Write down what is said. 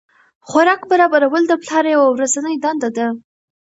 خوراک برابرول د پلار یوه ورځنۍ دنده ده.